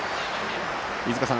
飯塚さん